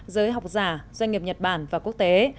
giới học giả doanh nghiệp nhật bản và quốc tế